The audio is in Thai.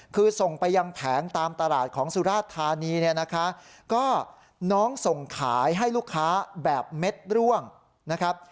คือส่งไปยังแผงตามตลาดของสุราชธานีเนี่ยนะคะก็น้องส่งขายให้ลูกค้าแบบเม็ดร่วงนะครับ